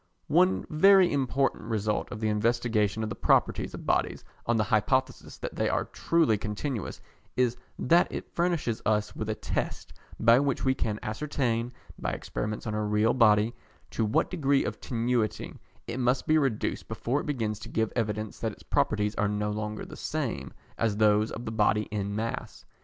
One very important result of the investigation of the properties of bodies on the hypothesis that they are truly continuous is that it furnishes us with a test by which we can ascertain, by experiments on a real body, to what degree of tenuity it must be reduced before it begins to give evidence that its properties are no longer the same as those of the body in mass.